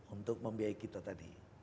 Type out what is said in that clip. untuk membiayai kita tadi